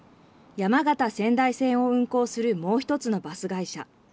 山形・仙台線を運行するもう１つのバス会社。